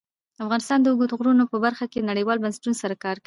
افغانستان د اوږده غرونه په برخه کې نړیوالو بنسټونو سره کار کوي.